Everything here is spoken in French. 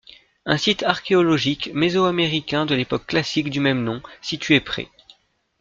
Un site archéologique mésoaméricain de l'Époque classique du même nom situé près.